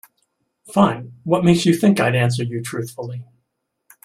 Fine, what makes you think I'd answer you truthfully?